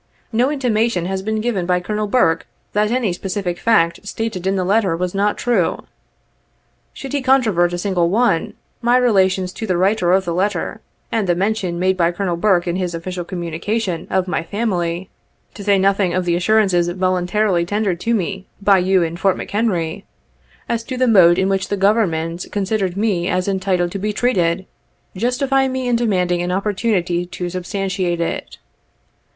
No intimation has been given by Colonel Burke, that any specific fact stated in the letter was not true. Should he controvert a single one, my relations to the writer of the letter, and the mention made by Colonel Burke in his official communication, of my family, to say nothing of the assurances voluntarily tendered to me by you in Fort McHenry, as to the mode in which the Government con sidered me as entitled to be treated, justify me in demanding an opportunity to substantiate it.